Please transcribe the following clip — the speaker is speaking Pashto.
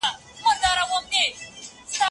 دوی ووايي، چي موږ دغي درجې ته نه يو رسيدلي.